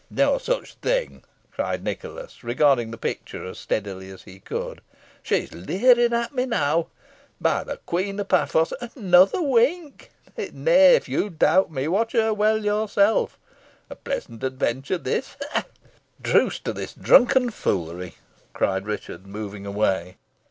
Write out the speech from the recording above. "No such thing," cried Nicholas, regarding the picture as steadily as he could "she's leering at me now. By the Queen of Paphos! another wink. Nay, if you doubt me, watch her well yourself. A pleasant adventure this ha! ha!" "A truce to this drunken foolery," cried Richard, moving away.